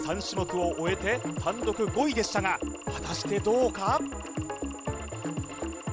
３種目を終えて単独５位でしたが果たしてどうか？